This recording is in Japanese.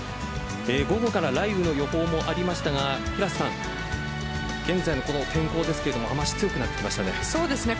午後から雷雨の予報もありましたが現在の天候ですが雨脚強くなってきましたね。